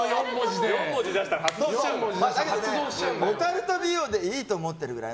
でも、オカルト美容でいいと思ってるくらい。